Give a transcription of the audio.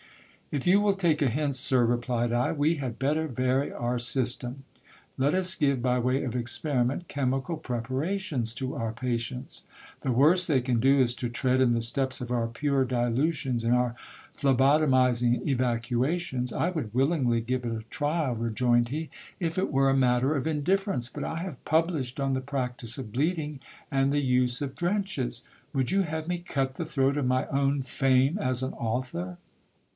If you will take a hint, sir, replied I, we had better vary our system. Let us give, by way of experiment, chemical prepara tions to our patients ; the worst they can do is to tread in the steps of our pure dilutions and our phlebotomizing evacuations. I would willingly give it a trial, rejoined he, if it were a matter of indifference, but I have published on the practice of bleeding and the use of drenches : would you have me cut the throat of my own fame as an author